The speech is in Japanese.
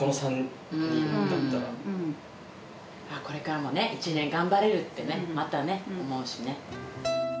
これからもね１年頑張れるってねまたね思うしね。